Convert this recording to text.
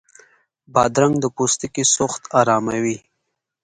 بادرنګ د پوستکي سوخت اراموي.